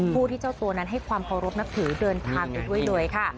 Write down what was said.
ผู้ที่เจ้าตัวนั้นให้ความเคารพนับถือเดินทางไปด้วยเลยค่ะ